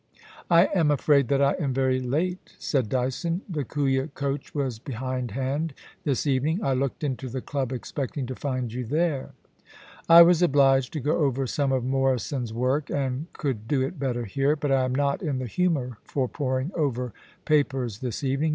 * I am afraid that I am very late,' said Dyson. The Kooya coach was behindhand this evening. I looked into ;the club expecting to find you there.' * I was obliged to go over some of Morrison's work, and could do it better here ; but I am not in the humour for poring over papers this evening.